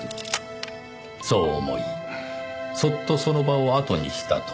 そう思いそっとその場をあとにしたと。